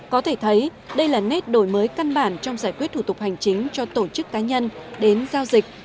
có thể thấy đây là nét đổi mới căn bản trong giải quyết thủ tục hành chính cho tổ chức cá nhân đến giao dịch